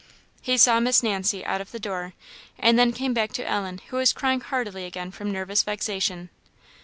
He saw Miss Nancy out of the door, and then came back to Ellen, who was crying heartily again from nervous vexation.